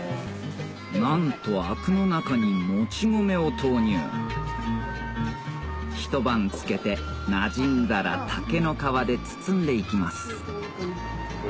なんと灰汁の中にもち米を投入ひと晩漬けてなじんだら竹の皮で包んで行きます